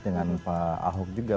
dengan pak ahok juga